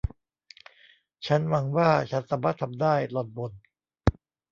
ฉันหวังว่าฉันสามารถทำได้ หล่อนบ่น